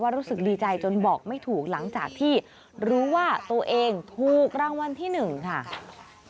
รู้สึกดีใจจนบอกไม่ถูกหลังจากที่รู้ว่าตัวเองถูกรางวัลที่๑ค่ะ